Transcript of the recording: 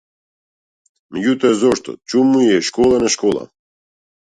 Меѓутоа зошто, чуму ѝ е школа на школа?